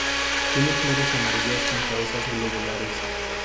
Tiene flores amarillas con cabezas globulares.